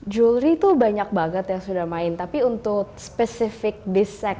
jewelry tuh banyak banget yang sudah main tapi untuk specific this segment